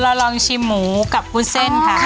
เราลองชิมหมูกับวุ้นเส้นค่ะ